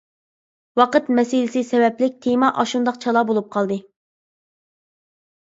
ۋاقىت مەسىلىسى سەۋەبلىك تېما ئاشۇنداق چالا بولۇپ قالدى.